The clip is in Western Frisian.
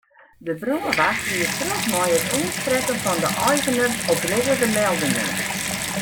De brânwacht giet troch mei it oansprekken fan de eigeners op loaze meldingen.